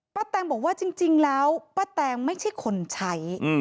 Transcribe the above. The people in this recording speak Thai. แตงบอกว่าจริงแล้วป้าแตงไม่ใช่คนใช้